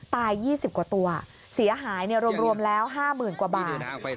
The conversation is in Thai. ๒๐กว่าตัวเสียหายรวมแล้ว๕๐๐๐กว่าบาท